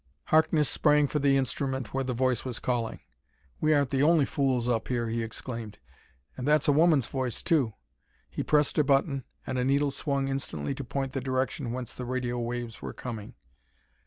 Harkness sprang for the instrument where the voice was calling. "We aren't the only fools up here," he exclaimed; "and that's a woman's voice, too!" He pressed a button, and a needle swung instantly to point the direction whence the radio waves were coming.